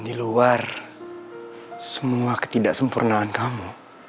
keluar semua ketidaksempurnaan kamu